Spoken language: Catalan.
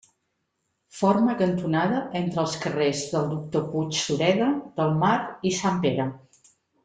Forma cantonada entre els carrers del doctor Puig Sureda, del Mar i sant Pere.